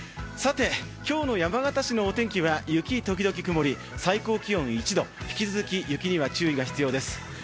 さて、今日の山形市のお天気は雪時々曇り最高気温１度、引き続き雪には注意が必要です。